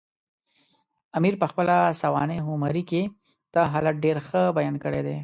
امیر پخپله سوانح عمري کې دغه حالت ډېر ښه بیان کړی دی.